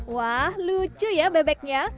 wah lucu ya bebeknya